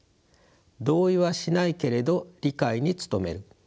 同意はしないけれど理解に努める。